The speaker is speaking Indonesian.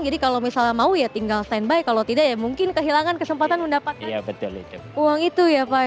jadi kalau misalnya mau ya tinggal standby kalau tidak ya mungkin kehilangan kesempatan mendapatkan uang itu ya pak ya